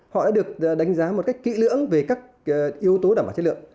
họ đã được đánh giá một cách kỹ lưỡng về các yếu tố đảm bảo chất lượng